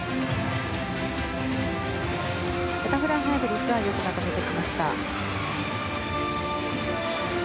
バタフライハイブリッドはよくまとめてきました。